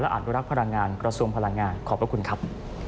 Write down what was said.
และอัตรรักษ์กระทรวมพลังงานขอบพระคุณครับ